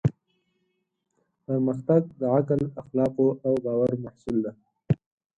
پرمختګ د عقل، اخلاقو او باور محصول دی.